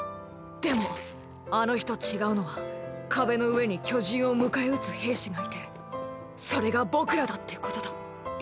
でもあの日と違うのは壁の上に巨人を迎え撃つ兵士がいてそれが僕らだってことだ。